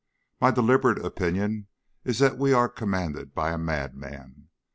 30 P.M. My deliberate opinion is that we are commanded by a madman.